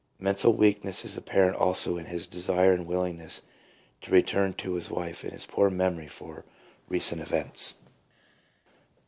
Mental weak ness is apparent also in his desire and willingness to return to his wife, and his poor memory for recent events.